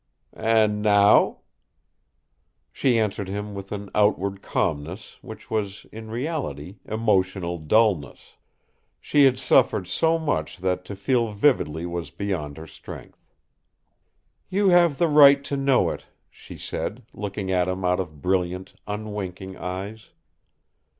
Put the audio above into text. "And now?" She answered him with an outward calmness which was, in reality, emotional dullness. She had suffered so much that to feel vividly was beyond her strength. "You have the right to know it," she said, looking at him out of brilliant, unwinking eyes.